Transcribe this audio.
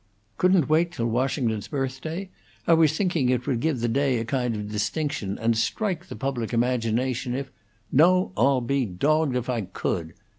"Couldn't wait till Washington's Birthday? I was thinking it would give the day a kind of distinction, and strike the public imagination, if " "No, I'll be dogged if I could!"